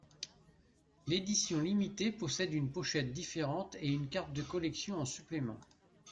L'édition limitée possède une pochette différente et une carte de collection en supplément.